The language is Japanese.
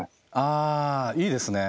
あいいですね。